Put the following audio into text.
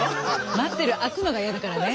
待ってる空くのが嫌だからね。